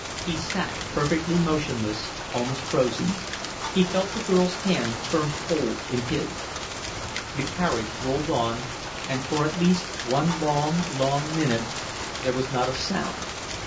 He sat perfectly motionless, almost frozen; he felt the girl's hand turn cold in his. The carriage rolled on, and for at least one long, long minute there was not a sound.